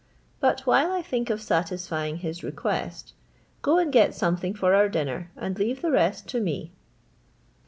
But while I think of satisfying his request, go and get something for our dinner, and leave the rest to me."